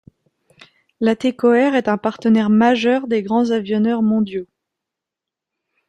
Latécoère est un partenaire majeur des grands avionneurs mondiaux.